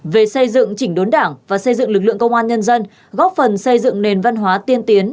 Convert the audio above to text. về xây dựng chỉnh đốn đảng và xây dựng lực lượng công an nhân dân góp phần xây dựng nền văn hóa tiên tiến